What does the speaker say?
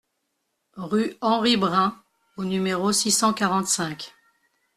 Rue Henry Brun au numéro six cent quarante-cinq